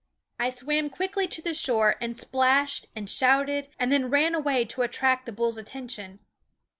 I swam quickly to the shore and splashed and shouted and then ran away to attract the bull's attention.